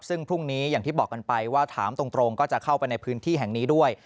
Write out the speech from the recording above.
ซึ่งพรุ่งนี้อย่างที่บอกกันไปว่าถามตรงก็จะเข้าไปในพื้นที่แห่งนี้ด้วย